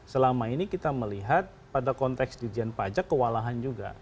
selama ini kita melihat pada konteks dirjen pajak kewalahan juga